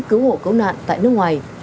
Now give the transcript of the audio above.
ủng hộ cứu nạn tại nước ngoài